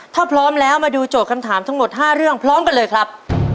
ถ้าพร้อมแล้วมาดูโจทย์คำถามทั้งหมด๕เรื่องพร้อมกันเลยครับ